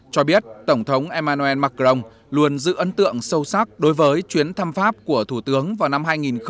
cho biết tổng thống emmanuel macron luôn giữ ấn tượng sâu sắc đối với chuyến thăm pháp của thủ tướng vào năm hai nghìn hai mươi